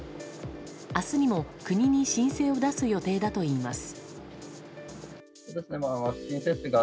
明日にも国に申請を出す予定だといいます。